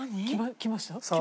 きました？